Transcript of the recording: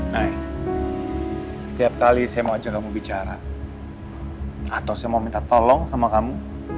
nah setiap kali saya mau ajak kamu bicara atau saya mau minta tolong sama kamu